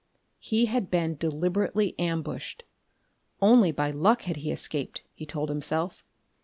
He had been deliberately ambushed. Only by luck had he escaped, he told himself.